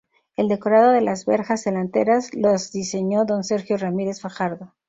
El decorado de las verjas delanteras las diseñó don Sergio Ramírez Fajardo.